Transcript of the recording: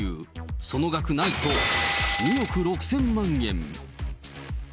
その額なんと２億６０００万円。